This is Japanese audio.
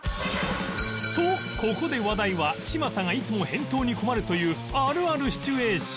とここで話題は嶋佐がいつも返答に困るというあるあるシチュエーション